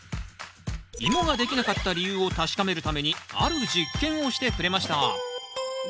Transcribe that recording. イモができなかった理由を確かめるためにある実験をしてくれました。